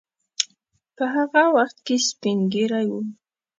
په هغه وخت کې سپین ږیری وو.